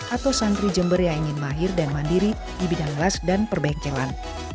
atau santri jember yang ingin mahir dan mandiri di bidang kelas dan perbengkelan